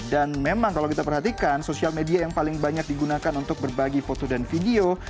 dan memang kalau kita perhatikan sosial media yang paling banyak digunakan untuk berbagi foto dan video